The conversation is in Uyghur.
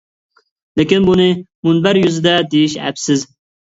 لېكىن بۇنى مۇنبەر يۈزىدە دېيىش ئەپسىز.